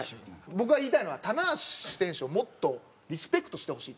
僕が言いたいのは棚橋選手をもっとリスペクトしてほしいというか。